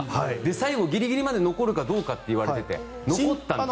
最後、ギリギリまで残るかどうかって言われていて残ったんです。